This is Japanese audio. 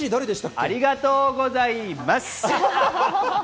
ありがとうございます！